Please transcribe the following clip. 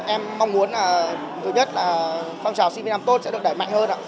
em mong muốn là thứ nhất là phong trào sinh viên năm tốt sẽ được đẩy mạnh hơn ạ